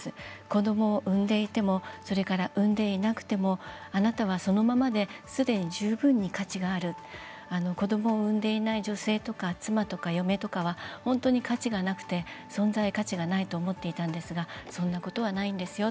子どもを産んでいてもそれから産んでいなくなくてもあなたはそのままですでに十分に価値がある子どもを産んでいない女性とか妻とか嫁とかは本当に価値がなくて存在価値がないと思っていたんですがそんなことはないんですよ